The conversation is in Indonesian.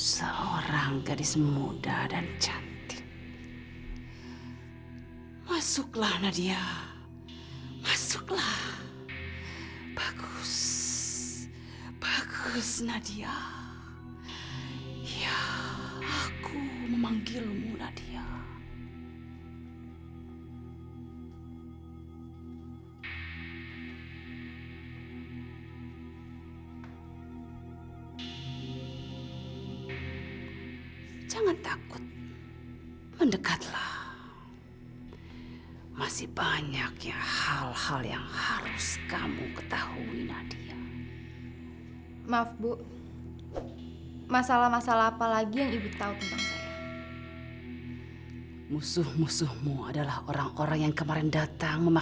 sampai jumpa di video selanjutnya